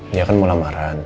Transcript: dia kan mau lamaran